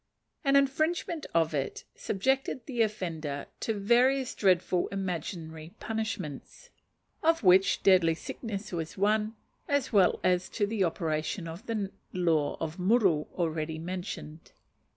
An infringement of it subjected the offender to various dreadful imaginary punishments; of which deadly sickness was one, as well as to the operation of the law of muru already mentioned.